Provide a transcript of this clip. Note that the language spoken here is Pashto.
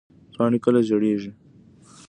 پاڼې کله ژیړیږي؟